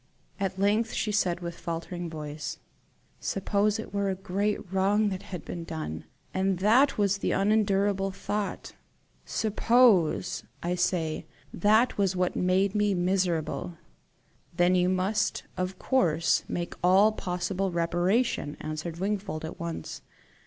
At length she said, with faltering voice: "Suppose it were a great wrong that had been done, and that was the unendurable thought? SUPPOSE, I say, that was what made me miserable!" "Then you must of course make all possible reparation," answered Wingfold at once.